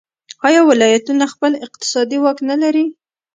آیا ولایتونه خپل اقتصادي واک نلري؟